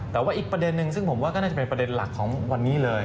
แต่ว่าอีกประเด็นนึงซึ่งผมว่าก็น่าจะเป็นประเด็นหลักของวันนี้เลย